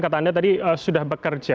kata anda tadi sudah bekerja